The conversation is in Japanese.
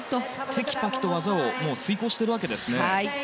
てきぱきと技を遂行しているわけですね。